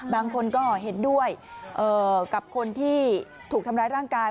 บางคนก็เห็นด้วยกับคนที่ถูกทำร้ายร่างกาย